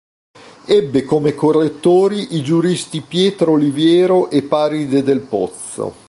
Ebbe come correttori i giuristi Pietro Oliviero e Paride del Pozzo.